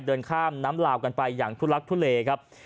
เดินข้ามน้ำลาวกันไปอย่างทุลักทุเลครับ